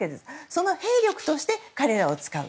その兵力として彼らを使う。